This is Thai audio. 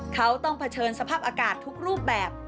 เขาต้องเผชิญสภาพอากาศทุกรูปแบบ